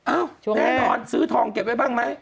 แน่นอนซื้อทองเก็บไว้บ้างไหม